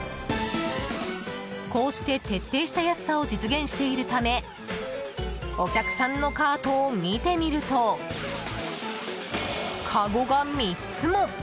こうして徹底した安さを実現しているためお客さんのカートを見てみるとかごが３つも。